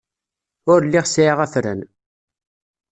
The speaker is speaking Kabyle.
Ur lliɣ sɛiɣ afran.